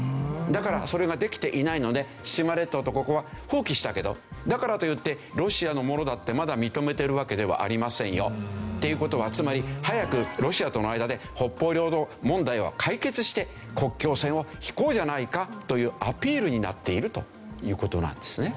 だからそれができていないので千島列島とここは放棄したけどだからといってロシアのものだってまだ認めてるわけではありませんよっていう事はつまり早くロシアとの間で北方領土問題を解決して国境線を引こうじゃないかというアピールになっているという事なんですね。